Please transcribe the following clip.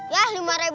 ya lima doang